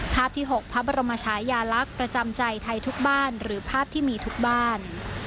ภาพที่๖พระบรมชายาลักษณ์ประจำใจไทยทุกบ้านหรือภาพที่มีทุกบ้าน